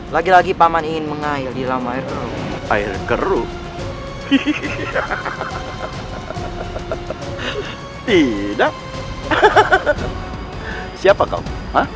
lagi lagi paman ingin mengayal di lamair air geruk tidak siapa kau